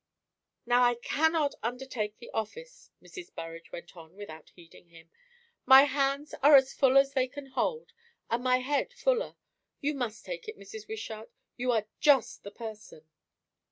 "Now I cannot undertake the office," Mrs. Burrage went on without heeding him. "My hands are as full as they can hold, and my head fuller. You must take it, Mrs. Wishart. You are just the person."